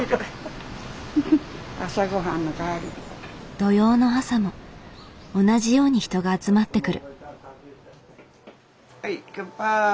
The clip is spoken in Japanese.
土曜の朝も同じように人が集まってくる。